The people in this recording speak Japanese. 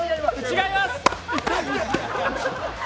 違います。